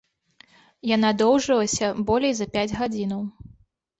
Яна доўжылася болей за пяць гадзінаў.